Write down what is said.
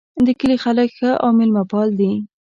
د کلي خلک ښه او میلمه پال دي